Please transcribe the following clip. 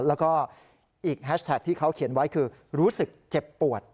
แล้วก็อีกแฮชแท็กที่เขาเขียนไว้คือรู้สึกเจ็บปวด